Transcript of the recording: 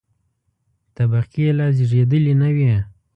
طبقې لا زېږېدلې نه وې.